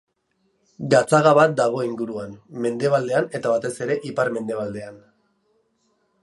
Gatzaga bat dago inguruan, mendebaldean eta batez ere ipar-mendebaldean.